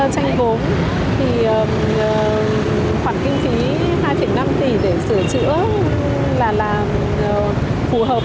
thì khoản kinh phí hai năm tỷ để sửa chữa là phù hợp